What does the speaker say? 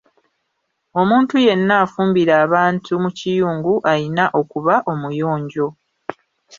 Omuntu yenna afumbira abantu mu kiyungu ayina okuba omuyonjo.